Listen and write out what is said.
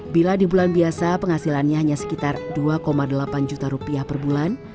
bila di bulan biasa penghasilannya hanya sekitar dua delapan juta rupiah per bulan